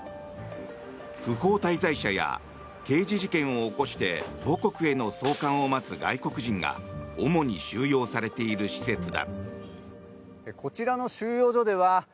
不法滞在者や刑事事件を起こして母国への送還を待つ外国人が主に収容されている施設だ。